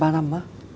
hai ba năm á